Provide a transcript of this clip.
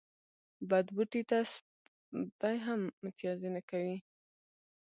بد بوټي ته سپي هم متازې نه کوی.